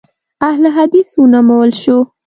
اهل حدیث ونومول شوه.